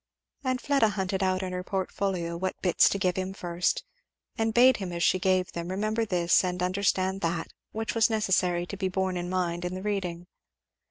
And Fleda hunted out in her portfolio what bits to give him first, and bade him as she gave them remember this and understand that, which was necessary to be borne in mind in the reading.